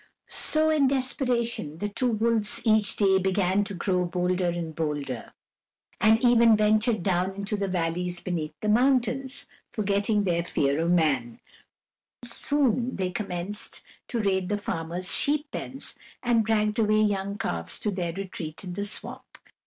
So, in desperation, the two wolves each day began to grow bolder and bolder, and even ventured down into the valleys beneath the mountains, forgetting their fear of man; soon they commenced to raid the farmers' sheep pens, and dragged away young calves to their retreat in the swamp.